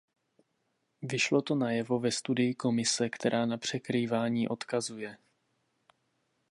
Vyšlo to najevo ve studii Komise, která na překrývání odkazuje.